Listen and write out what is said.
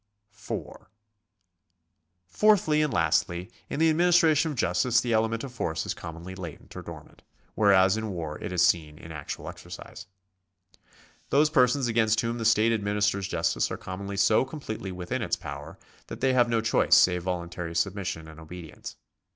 4. Fourthly and lastly, in the administration of justice the element of force is commonly latent or dormant, whereas in war it is seen in actual exercise. Those persons against whom the state administers justice are commonly so completely within its power, that they have no choice save voluntary submission and obedience.